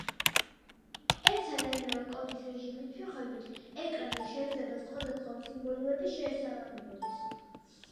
ერთსა და იმავე კოდის რეჟიმის მიხედვით ეკრანზე შეიძლება სხვადასხვა სიმბოლოები შეესაბამებოდეს.